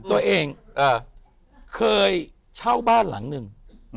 ตัวเองเคยเช่าบ้านหลังหนึ่ง